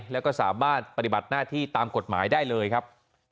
แล้วก็สามารถปฏิบัติหน้าที่ตามกฎหมายได้เลยครับ